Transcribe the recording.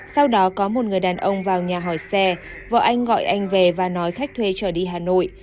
sau đó có một người đàn ông vào nhà hỏi xe vợ anh gọi anh về và nói khách thuê trở đi hà nội